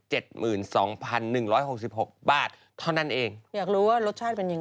อยากรู้ว่ารสชาติเป็นยังไง